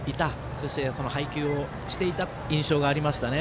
そして、配球をしていた印象がありましたね。